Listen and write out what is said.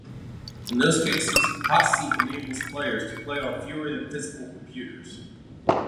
In those cases, hotseat enables players to play on fewer than physical computers.